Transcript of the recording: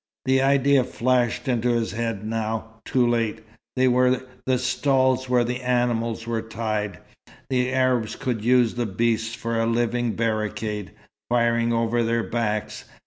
The idea flashed into his head now, too late. There were the stalls where the animals were tied. The Arabs could use the beasts for a living barricade, firing over their backs.